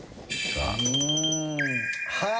はい。